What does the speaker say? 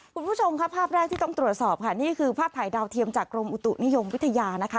คุณผู้ชมค่ะภาพแรกที่ต้องตรวจสอบค่ะนี่คือภาพถ่ายดาวเทียมจากกรมอุตุนิยมวิทยานะคะ